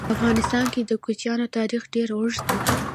په افغانستان کې د کوچیانو تاریخ ډېر اوږد دی.